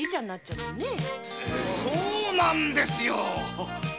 そうなんですよ